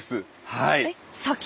はい。